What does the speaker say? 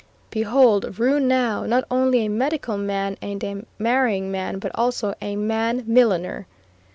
Behold rue now, not only a medical man and a marrying man, but also a man milliner.